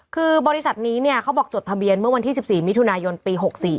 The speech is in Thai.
คือบริษัทนี้เนี่ยเขาบอกจดทะเบียนเมื่อวันที่๑๔มิถุนายนปี๖๔